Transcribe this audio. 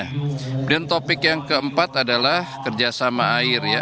kemudian topik yang keempat adalah kerjasama air ya